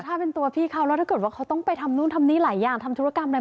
ถ้าเป็นตัวพี่เขาแล้วถ้าเกิดว่าเขาต้องไปทำนู่นทำนี่หลายอย่างทำธุรกรรมอะไร